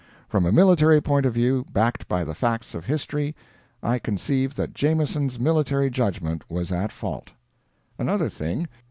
From a military point of view, backed by the facts of history, I conceive that Jameson's military judgment was at fault. Another thing.